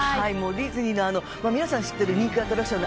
ディズニーの皆さんが知ってる人気アトラクション